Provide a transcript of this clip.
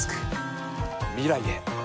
未来へ。